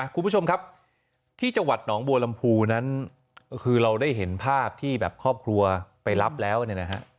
คุณผู้ชมครับที่จังหวัดหนองบัวลำพูนั้นก็คือเราได้เห็นภาพที่แบบครอบครัวไปรับแล้วเนี่ยนะฮะ